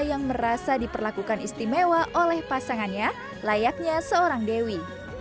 yang merasa diperlakukan istimewa oleh pasangannya layaknya seorang dewi